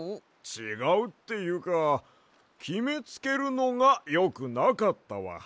ちがうっていうかきめつけるのがよくなかったわ。